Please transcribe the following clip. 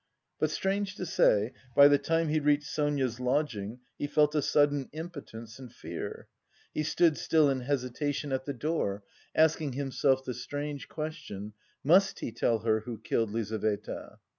But, strange to say, by the time he reached Sonia's lodging, he felt a sudden impotence and fear. He stood still in hesitation at the door, asking himself the strange question: "Must he tell her who killed Lizaveta?"